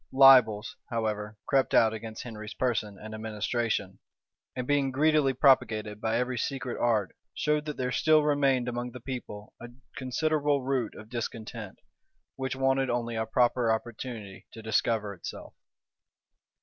Libels, however, crept out against Henry's person and administration; and being greedily propagated by every secret art, showed that there still remained among the people a considerable root of discontent, which wanted only a proper opportunity to discover itself.